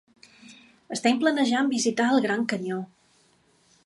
Estem planejant visitar el Gran Canyó.